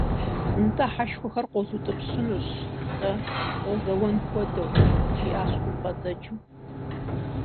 - НтӀэ хьэшхуэхэр къозутӀыпщынущ-тӀэ, къозэуэн хуэдэу, - жиӏащ хъумпӏэцӏэджым.